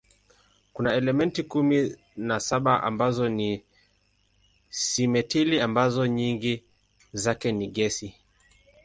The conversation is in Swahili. Kuna elementi kumi na saba ambazo ni simetili ambazo nyingi zake ni gesi.